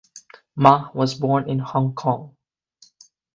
Ma was born in Hong Kong.